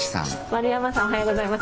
マルヤマさんおはようございます。